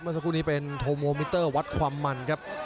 สักครู่นี้เป็นโทโมมิเตอร์วัดความมันครับ